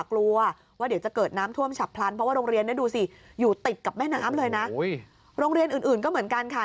กลัวว่าเดี๋ยวจะเกิดน้ำท่วมฉับพลันเพราะว่าโรงเรียนเนี่ยดูสิอยู่ติดกับแม่น้ำเลยนะโรงเรียนอื่นก็เหมือนกันค่ะ